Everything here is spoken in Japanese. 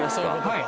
はい。